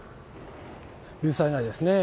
許されないですね。